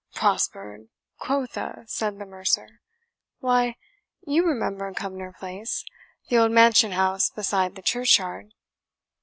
"Prospered, quotha!" said the mercer; "why, you remember Cumnor Place, the old mansion house beside the churchyard?"